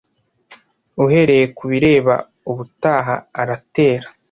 Uhereye kubireba ubutaha aratera